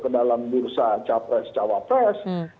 ke dalam bursa cawapres